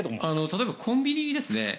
例えばコンビニですね。